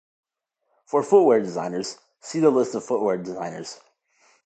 For footwear designers, see the list of footwear designers.